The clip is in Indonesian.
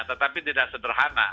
tetapi tidak sederhana